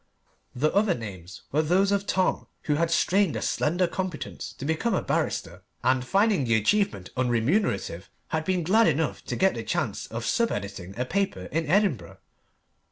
The other names were those of Tom, who had strained a slender competence to become a barrister, and finding the achievement unremunerative, had been glad enough to get the chance of sub editing a paper in Edinburgh.